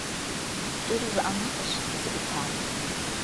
ТӀури зы ӀэнатӀэщ дызыӀутар.